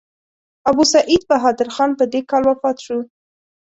ابوسعید بهادر خان په دې کال وفات شو.